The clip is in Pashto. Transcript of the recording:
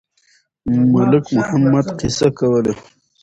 ملک محمد قصه کوله.